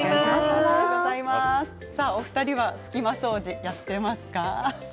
お二人は隙間掃除やっていますか？